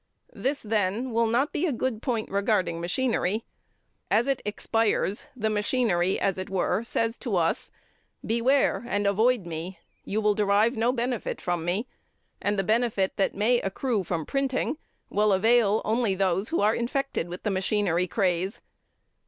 This, then, will not be a good point regarding machinery. As it expires, the machinery, as it were, says to us: "Beware and avoid me. You will derive no benefit from me, and the benefit that may accrue from printing will avail only those who are infected with the machinery craze."